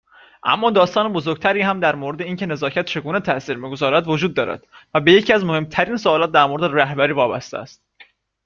اما داستان بزرگتری هم در مورد اینکه نزاکت چگونه تاثیر میگذارد وجود دارد، و به یکی از مهمترین سوالات در مورد رهبری وابسته است